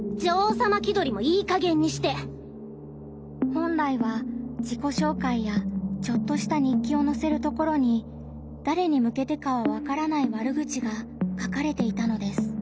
本来は自己紹介やちょっとした日記をのせるところにだれにむけてかは分からない悪口が書かれていたのです。